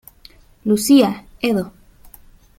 Lucía, Edo.